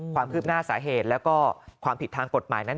ความคืบหน้าสาเหตุแล้วก็ความผิดทางกฎหมายนั้น